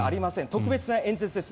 特別な演説です。